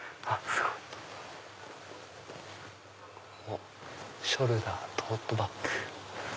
おっショルダートートバッグ。